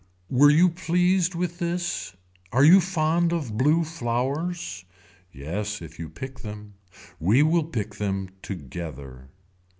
Were you pleased with this. Are you fond of blue flowers. Yes if you pick them. We will pick them together.